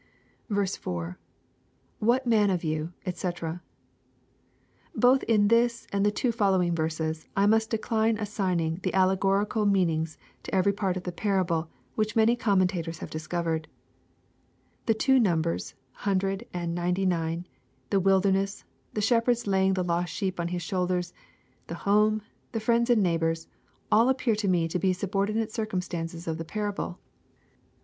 i, —[ What man of you, <fcc.] Both in this and the two following verses, I must decline assigning the allegorical meanings to every part of the parable, which many commentatora have discovered. The two numbers, hundred, and ninety nine, — the wilderness, — the shepherd's laying the lost sheep on his thoulders, — the home, — the friends and neighbors, — all appear to me to be subordinate circumstances of the parable, which LUKE, CHAP.